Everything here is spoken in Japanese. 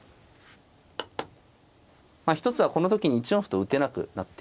一つはこの時に１四歩と打てなくなってると。